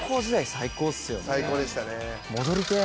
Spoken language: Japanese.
最高でしたね。